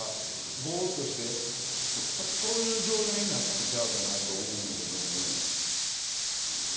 ぼーっとして、そういう状態になったんちゃうかなと思うねんけどね。